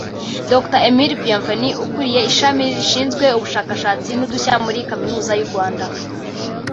Dr Emile Bienvenue ukuriye ishami rishinzwe ubushakashatsi n’udushya muri kaminuza y’u Rwanda